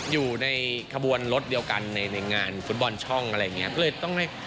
อยู่ในครับวนรถเดียวกันในงานฟุตบอลช่องอะไรอย่างนี้